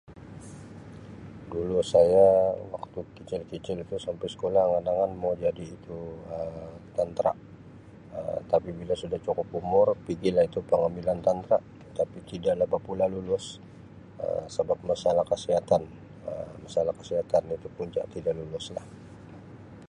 Dulu saya waktu kicil-kicil tu sampai skolah angan-angan mau jadi tu Um Tentera Um tapi bila suda cukup umur pigi lah tu pengambilan Tentera tapi tidak lah bah pula lulus Um sebab masalah kesihatan Um masalah kesihatan itu punca tidak lulus lah.